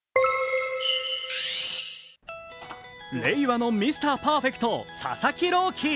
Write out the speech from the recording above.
令和のミスターパーフェクト・佐々木朗希。